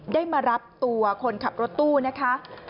ได้มารับตัวคนขับรถตู้นะคะ